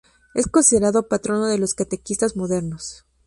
Es considerado patrono de los catequistas modernos.